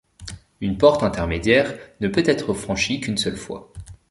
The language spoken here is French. Une porte intermédiaire ne peut être franchie qu’une seule fois.